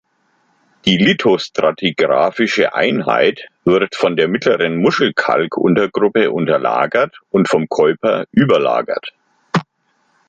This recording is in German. Die lithostratigraphische Einheit wird von der Mittleren Muschelkalk-Untergruppe unterlagert und vom Keuper überlagert.